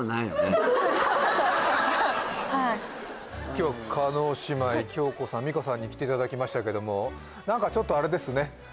今日叶姉妹恭子さん美香さんに来ていただきましたけどもなんかちょっとあれですね